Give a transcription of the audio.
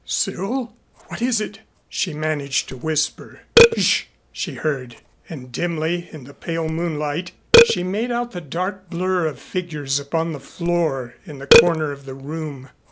"Cyril! What is it?" she managed to whisper. "Sh " she heard. And dimly, in the pale moonlight, she made out the dark blur of figures upon the floor in the corner of the room.